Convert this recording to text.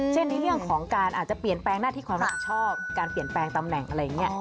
ในเรื่องของการอาจจะเปลี่ยนแปลงหน้าที่ความรับผิดชอบการเปลี่ยนแปลงตำแหน่งอะไรอย่างนี้